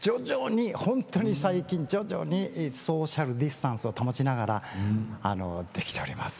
本当に最近徐々にソーシャルディスタンスを保ちながらできております。